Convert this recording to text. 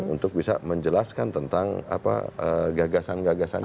untuk bisa menjelaskan tentang gagasan gagasan ini